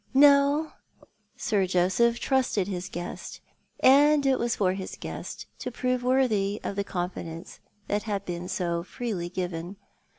No, Sir Joseph trusted his guest, and it was for his guest to prove worthy of the confidence that had been so freely given.